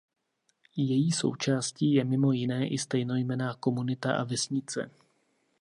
Její součástí je mimo jiné i stejnojmenná komunita a vesnice.